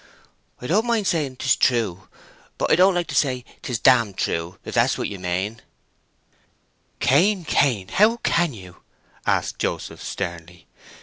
"I don't mind saying 'tis true, but I don't like to say 'tis damn true, if that's what you mane." "Cain, Cain, how can you!" asked Joseph sternly.